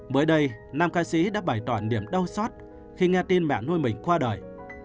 mới đây nam ca sĩ đã bày tỏa niềm đau xót khi nghe tin mẹ nuôi mình qua đời